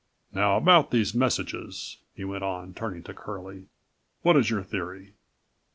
"Now about these messages," he went on, turning to Curlie. "What is your theory?"